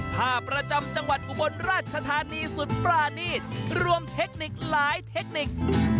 ภาพประจำจังหวัดอุบลราชธานีสุดปรานีตรวมเทคนิคหลายเทคนิค